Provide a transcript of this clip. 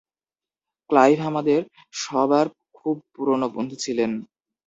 Clive আমাদের সবার খুব পুরনো বন্ধু ছিলেন।